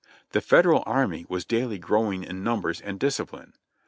The Federal Army was daily growing in numbers and discipline.